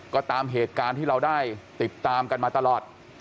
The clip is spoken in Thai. ก็ตามเหตุการณ์ที่เราได้ติดตามกันมาตลอด